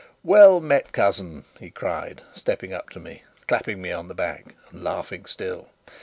"Well met, cousin!" he cried, stepping up to me, clapping me on the back, and laughing still.